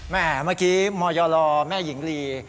เมื่อกี้มยลแม่หญิงลี